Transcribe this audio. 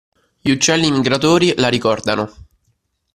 Gli uccelli migratori la ricordano.